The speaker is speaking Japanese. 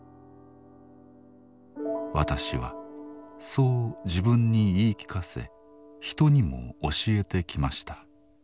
私はそう自分に言い聞かせ人にも教えてきました。